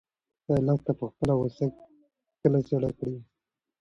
ایا لښته به خپله غوسه کله سړه کړي؟